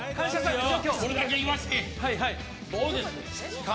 これだけ言わせて。